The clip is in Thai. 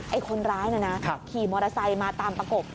ไอ้คนร้ายน่ะนะขี่มอเตอร์ไซค์มาตามประกบ